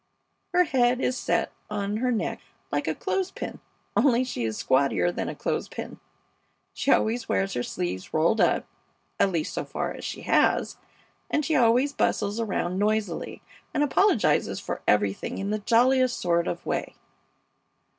Her head is set on her neck like a clothes pin, only she is squattier than a clothes pin. She always wears her sleeves rolled up (at least so far she has) and she always bustles around noisily and apologizes for everything in the jolliest sort of way.